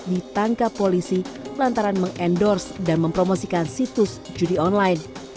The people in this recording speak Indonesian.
ditangkap polisi lantaran mengendorse dan mempromosikan situs judi online